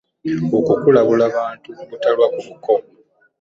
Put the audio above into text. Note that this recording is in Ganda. Okwo kulabula bantu butalwa ku buko .